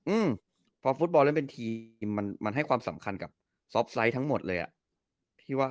อื้อเพราะฟูตบอลเล่นเป็นทีมมันให้ความสำคัญกับซอฟท์ไซต์ทั้งหมดเลยอ่ะ